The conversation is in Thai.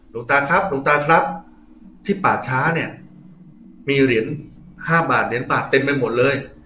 หลวงตาครับหลวงตาครับที่ป่าช้าเนี่ยมีเหรียญ๕บาทเหรียญบาทเต็มไปหมดเลย